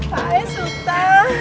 pak e suta